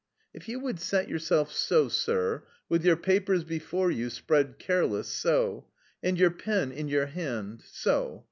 "If you would set yourself so, sir. With your papers before you, spread careless, so. And your pen in your hand, so....